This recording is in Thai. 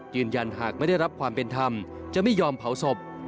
ยืนยันหากไม่ได้รับความเป็นธรรมจะไม่ยอมเผาศพ